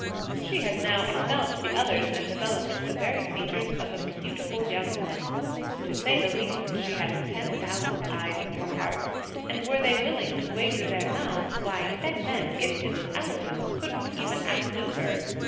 She has now excelled the others and developed the very features of a beautiful young woman. To say the least, she has ten thousand eyes in her heart, and were they willing to wager their mouths, why ten men gifted with eloquence couldn't even outdo her!